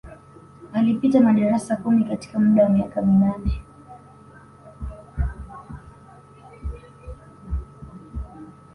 Alipita madarasa kumi katika muda wa miaka minane